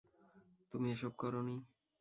তুমি এসব করোনি।